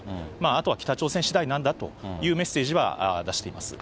あとは北朝鮮しだいなんだというメッセージは出しています。